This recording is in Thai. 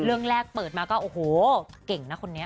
เรื่องแรกเปิดมาก็โอ้โหเก่งนะคนนี้